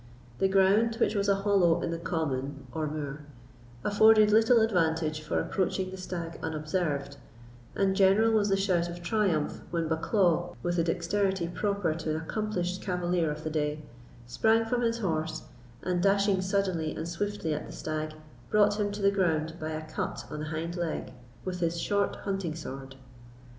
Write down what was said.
The ground, which was a hollow in the common or moor, afforded little advantage for approaching the stag unobserved; and general was the shout of triumph when Bucklaw, with the dexterity proper to an accomplished cavalier of the day, sprang from his horse, and dashing suddenly and swiftly at the stag, brought him to the ground by a cut on the hind leg with his short hunting sword.